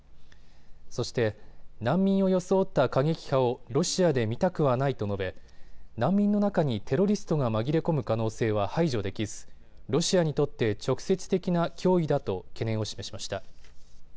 そして、難民を装った過激派をロシアで見たくはないと述べ難民の中にテロリストが紛れ込む可能性は排除できずロシアにとって直接的な脅威だと懸念を示しました。